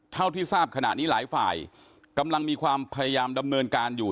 เท่าที่ทราบขณะนี้หลายฝ่ายกำลังมีความพยายามดำเนินการอยู่